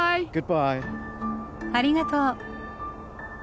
ありがとう。